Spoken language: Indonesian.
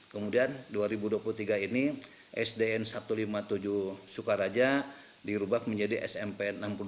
kemudian dua ribu dua puluh tiga ini sdn satu ratus lima puluh tujuh sukaraja dirubah menjadi smp enam puluh dua